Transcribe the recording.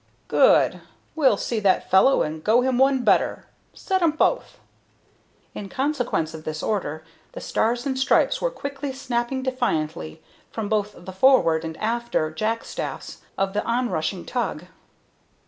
"Good. We'll see that fellow and go him one better. Set 'em both." In consequence of this order the Stars and Stripes were quickly snapping defiantly from both the forward and after jack staffs of the on rushing tug.